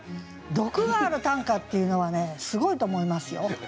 毒がある短歌っていうのはねすごいと思いますよ。